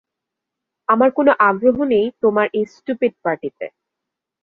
আমার কোন আগ্রহ নেই তোমার এই স্টুপিট পার্টিতে।